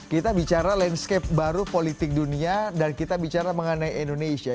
kita bicara landscape baru politik dunia dan kita bicara mengenai indonesia